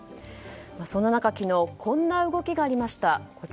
そんな中、昨日こんな動きがありました。